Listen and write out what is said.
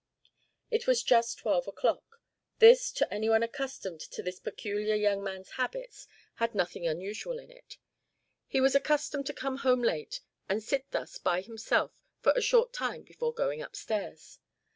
It was just twelve o'clock. This, to anyone accustomed to this peculiar young man's habits, had nothing unusual in it. He was accustomed to come home late and sit thus by himself for a short time before going up stairs.